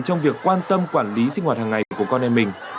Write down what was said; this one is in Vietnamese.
trong việc quan tâm quản lý sinh hoạt hàng ngày của con em mình